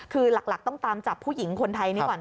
คือหลักต้องตามจับผู้หญิงคนไทยนี้ก่อน